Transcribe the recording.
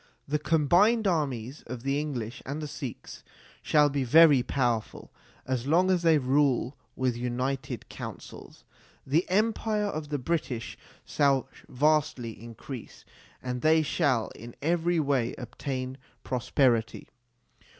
The combined armies of the English and the Sikhs shall be very powerful, as long as they rule with united councils. The empire of the British shall vastly increase, and they shall in every way obtain pros perity.